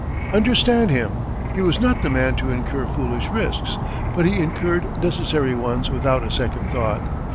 Understand him: he was not the man to incur foolish risks; but he incurred necessary ones without a second thought.